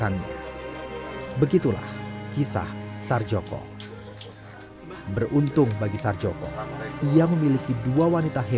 saya mikirin misalnya punya uang saya jalanin apa gitu ya berarti